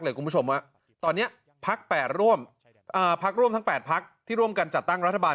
เหลือคุณผู้ชมว่าตอนนี้พักร่วมทั้ง๘พักที่ร่วมกันจัดตั้งรัฐบาล